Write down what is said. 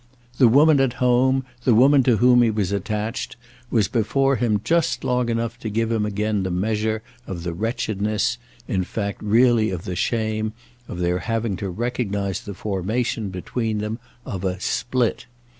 The woman at home, the woman to whom he was attached, was before him just long enough to give him again the measure of the wretchedness, in fact really of the shame, of their having to recognise the formation, between them, of a "split."